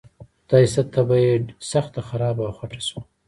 خدای شته طبعه یې سخته خرابه او خټه شوه.